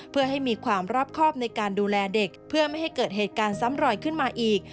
เพื่อให้มีความรอบครอบในการดูแลเด็กเพื่อไม่ให้เกิดเหตุการณ์ซ้ำรอยขึ้นมาอีก